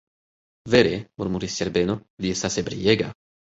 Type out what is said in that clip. Vere, murmuris Herbeno, li estas ebriega.